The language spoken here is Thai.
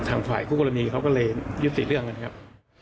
ทางฝ่ายคู่กรณีเขาก็เลยยุติเรื่องกันครับ